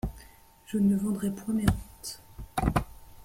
Je ne vendrai point mes rentes.